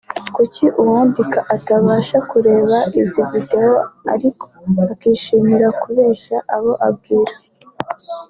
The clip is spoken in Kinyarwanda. Kuki uwandika atabanza kureba izi video ariko akishimira kubeshya abo abwira”